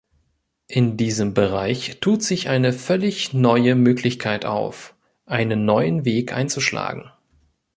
In diesem Bereich tut sich eine völlig neue Möglichkeit auf, einen neuen Weg einzuschlagen.